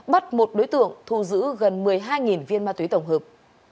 bắt một đối tượng thu giữ gần một mươi hai viên ma túy tổng hợp